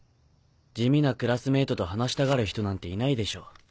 地味なクラスメートと話したがる人なんていないでしょ。